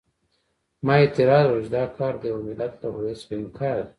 ما اعتراض وکړ چې دا کار د یوه ملت له هویت څخه انکار دی.